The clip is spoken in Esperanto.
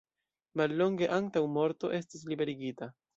Mallonge antaŭ morto estis liberigita.